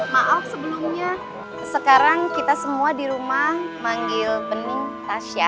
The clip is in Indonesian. maaf sebelumnya sekarang kita semua di rumah manggil bening tasya